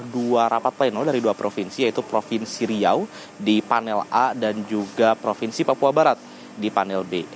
dua rapat pleno dari dua provinsi yaitu provinsi riau di panel a dan juga provinsi papua barat di panel b